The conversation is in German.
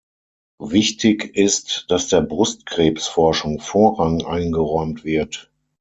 Wichtig ist, dass der Brustkrebsforschung Vorrang eingeräumt wird.